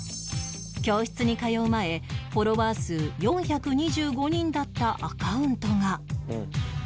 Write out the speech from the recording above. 教室に通う前フォロワー数４２５人だったアカウントが